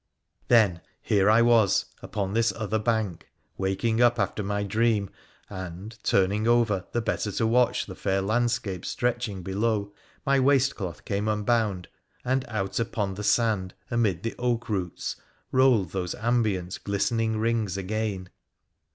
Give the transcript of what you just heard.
Then, here I was, upon this other bank, waking up after my dream, and, turning over the better to watch the fair land scape stretching below, my waistcloth came unbound, and out upont he sand amid the oak roots rolled those ambient, glisten ing rings again.